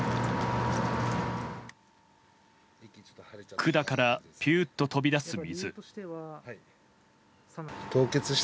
管からぴゅーと飛び出す水。